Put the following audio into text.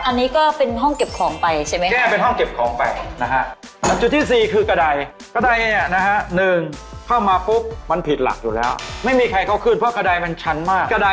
อันนี้ก็เป็นห้องเก็บของไปใช่ไหมค่ะ